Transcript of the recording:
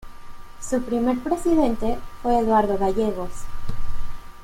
Su primer presidente fue Eduardo Gallegos.